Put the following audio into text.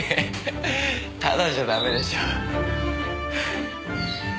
タダじゃダメでしょう。